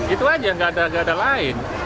itu aja nggak ada nggak ada lain